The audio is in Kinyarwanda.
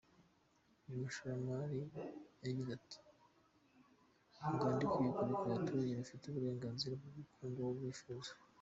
Uyu mushoramari yagize ati “Uganda ikwiye kureka abaturage bafite uburenganzira bwo gukunda uwo bifuza.